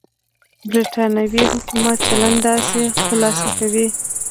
برېټانوي حکومت چلند داسې خلاصه کوي.